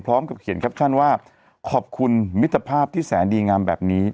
พร้อมกับเขียนแคปชั่นว่าขอบคุณมิตรภาพที่แสนดีงามแบบนี้